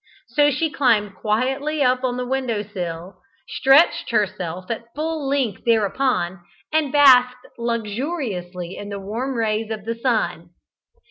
So she climbed quietly up on the window sill, stretched herself at full length thereupon, and basked luxuriously in the warm rays of the sun.